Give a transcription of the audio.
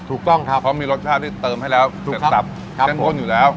ถูกต้องครับเพราะมีรสชาติที่เติมให้แล้วเสร็จสับเข้มข้นอยู่แล้ว